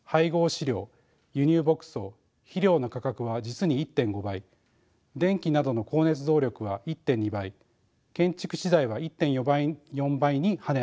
飼料輸入牧草肥料の価格は実に１．５倍電気などの光熱動力は１．２倍建築資材は１．４倍に跳ね上がりました。